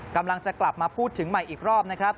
กำลังจะกลับมาพูดถึงใหม่อีกรอบนะครับ